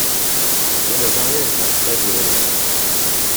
Mais le mariage n'a pas duré longtemps.